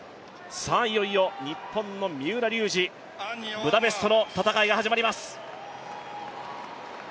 いよいよ日本の三浦龍司、ブダペストの戦いが始まります。